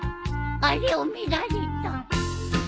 あれを見られた